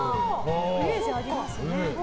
イメージありますね。